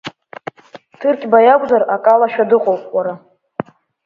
Ҭырқьба иакәзар акалашәа дыҟоуп, уара…